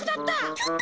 ちょっと！